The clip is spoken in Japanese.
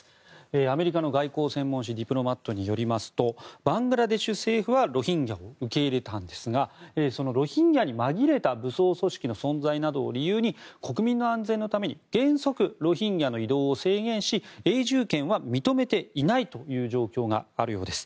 アメリカの外交専門誌「ディプロマット」によりますとバングラデシュ政府はロヒンギャを受け入れたんですがロヒンギャにまぎれた武装組織の存在などを理由に国民の安全のために原則、ロヒンギャの移動を制限し、永住権は認めていないという状況があるようです。